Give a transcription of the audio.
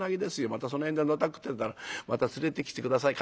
またその辺でのたくってたらまた連れてきて下さい。